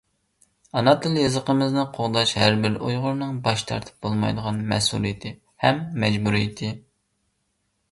ئانا تىل-يېزىقىمىزنى قوغداش — ھەربىر ئۇيغۇرنىڭ باش تارتىپ بولمايدىغان مەسئۇلىيىتى ھەم مەجبۇرىيىتى.